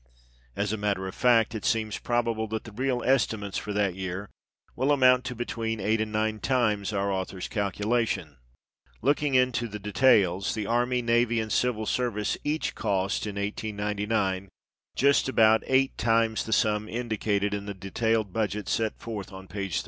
As a matter of fact, it seems probable that the real estimates for that year will amount to between eight and nine times our author's calculation. Looking into the details, the army, navy, and civil service, each cost, in 1899, just about eight times the sum indicated in the detailed budget set forth on page 33.